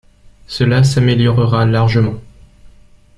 Cela s’améliorera largement.